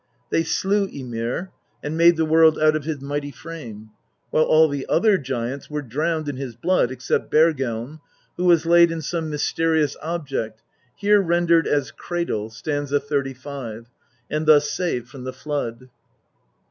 They slew Ymir, and made the world out of his mighty frame ; while all the other giants were drowned in his blood except Bergelm, who was laid in some mysterious object (here rendered as cradle, st. 35), and thus saved from the flood.